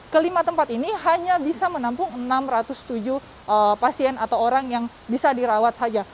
kelima tempat ini hanya bisa menampung enam ratus tujuh pasien atau orang yang bisa dirawat saja